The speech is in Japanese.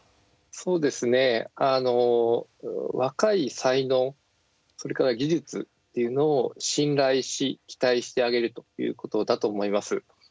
そうですね、若い才能それから技術というのを信頼し期待してあげるということだと思います。